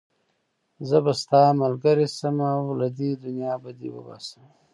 زه به ستا ملګری شم او له دې دنيا به دې وباسم.